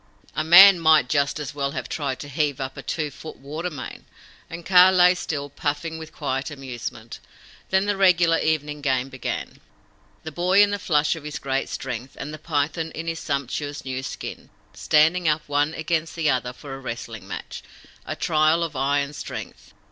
A man might just, as well have tried to heave up a two foot water main; and Kaa lay still, puffing with quiet amusement. Then the regular evening game began the Boy in the flush of his great strength, and the Python in his sumptuous new skin, standing up one against the other for a wrestling match a trial of eye and strength.